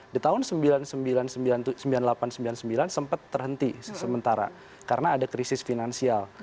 di tahun seribu sembilan ratus sembilan puluh delapan sembilan puluh sembilan sempat terhenti sementara karena ada krisis finansial